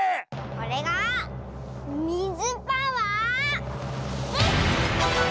これがみずパワーです！